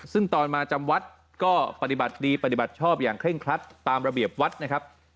ซึ่งตอนมาจำวัดก็ปฏิบัติดีปฏิบัติชอบอย่างเคร่งครัดตามระเบียบวัดนะครับ